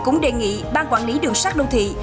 cũng đề nghị ban quản lý đường sát đô thị